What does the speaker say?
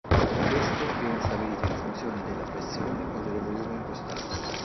Questo viene stabilito in funzione della pressione o del volume impostati.